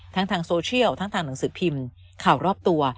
ทางโซเชียลทั้งทางหนังสือพิมพ์ข่าวรอบตัว